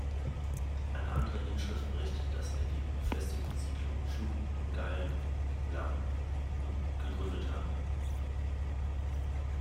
Eine andere Inschrift berichtet, dass er die befestigte Siedlung "dhu-Ghailam" gegründet habe.